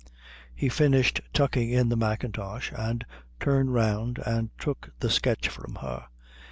He finished tucking in the mackintosh and turned round and took the sketch from her.